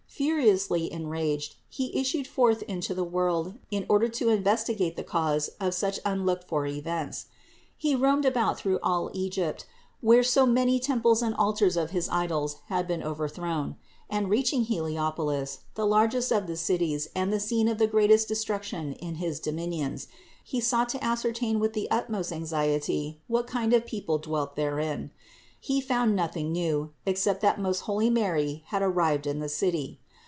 Furiously enraged, He issued forth into the world in order to investigate the cause of such unlocked for events. He roamed about through all Egypt, where so many temples and altars of his idols had been overthrown; and reaching Heliopolis, the largest of the cities and the scene of the greatest destruction in his dominions, he sought to ascertain with the utmost anxiety what kind of people dwelt therein. He found nothing new, except that most holy Mary had arrived in the city.